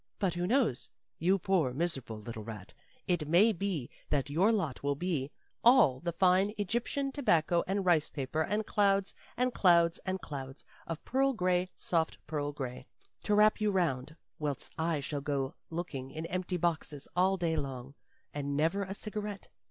But, who knows? You poor miserable little rat; it may be that your lot will be all the fine Egyptian tobacco and rice paper and clouds and clouds and clouds of pearl gray, soft pearl gray, to wrap you round, whilst I shall go looking in empty boxes all day long, and never a cigarette.